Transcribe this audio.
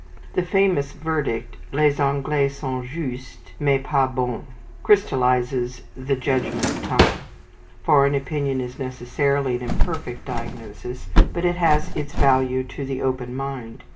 The famous verdict, "Les Anglais sont justes, mais pas bons," crystallizes the judgment of time. Foreign opinion is necessarily an imperfect diagnosis, but it has its value to the open mind.